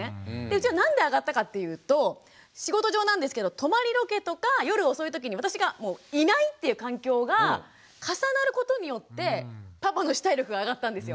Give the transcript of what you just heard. うちはなんで上がったかっていうと仕事上なんですけど泊まりロケとか夜遅いときに私がいないっていう環境が重なることによってパパの主体力が上がったんですよ。